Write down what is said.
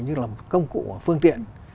như là công cụ phương tiện